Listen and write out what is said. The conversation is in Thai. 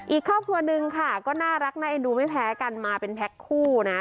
อีกครอบครัวนึงค่ะก็น่ารักน่าเอ็นดูไม่แพ้กันมาเป็นแพ็คคู่นะ